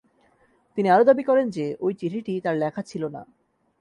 তিনি আরও দাবি করেন যে ওই চিঠিটি তার লেখা ছিল না।